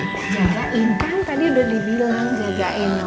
jagain kan tadi udah dibilang jagain noh